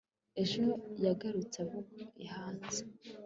ejo yagarutse avuye hanze